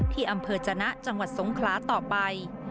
ที่อำเภอจนะจังหวัดสงคลาต่อไป